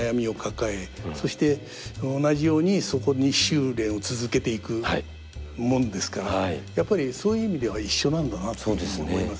そして同じようにそこに修練を続けていくものですからやっぱりそういう意味では一緒なんだなっていうふうに思いますね。